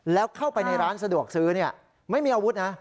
แล้วเข้าไปในร้านสะดวกซื้อไม่มีอาวุธนะ